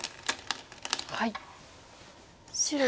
はい。